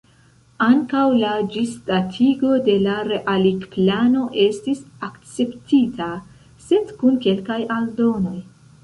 Ankaŭ la ĝisdatigo de la realigplano estis akceptita, sed kun kelkaj aldonoj.